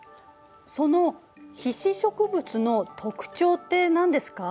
その被子植物の特徴って何ですか。